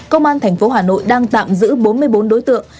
công an tp hà nội đang tạm giữ bốn mươi bốn đối tượng